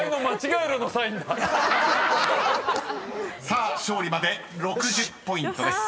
［さあ勝利まで６０ポイントです］